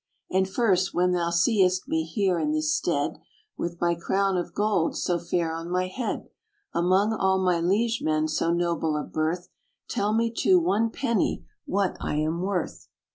"And first, when thou seest me here in this stead, With my crown of gold so fair on my head, Among all my liege men so noble of birth, Tell me to one penny what I am worth."